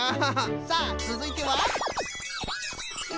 さあつづいては。